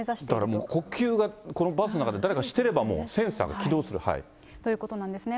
だからもう、呼吸が、このバスの中で誰かしてればもう、センということなんですね。